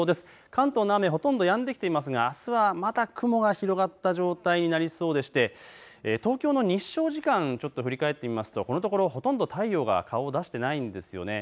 関東の雨、ほとんどやんできていますが、あすはまた雲が広がった状態になりそうでして東京の日照時間、振り返ってみますとこのところ、ほとんど太陽が顔を出していないんですね。